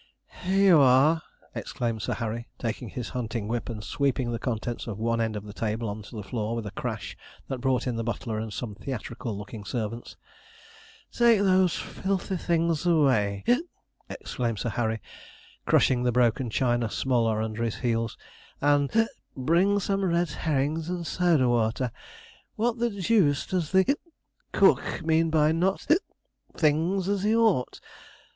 'Here you are!' exclaimed Sir Harry, taking his hunting whip and sweeping the contents of one end of the table on to the floor with a crash that brought in the butler and some theatrical looking servants. 'Take those filthy things away!' exclaimed Sir Harry, crushing the broken china smaller under his heels; 'and bring some red herrings and soda water. What the deuce does the cook mean by not (hiccuping) things as he ought?